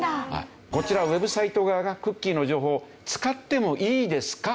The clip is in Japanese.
こちらはウェブサイト側がクッキーの情報を使ってもいいですか？